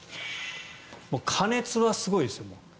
加熱はすごいですよ。